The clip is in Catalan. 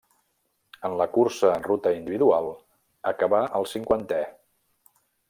En la cursa en ruta individual acabà el cinquantè.